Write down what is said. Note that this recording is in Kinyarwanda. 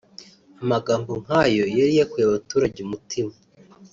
Amagambo nk’ayo yari yakuye abaturage umutima